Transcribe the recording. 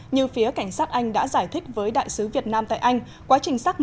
như phía cảnh sát anh đã giải thích với đại sứ việt nam tại anh